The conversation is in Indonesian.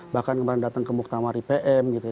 bahkan kemarin datang ke muktamari pm gitu ya